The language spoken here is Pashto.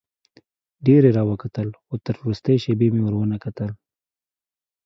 ډېر یې راوکتل خو تر وروستۍ شېبې مې ور ونه کتل.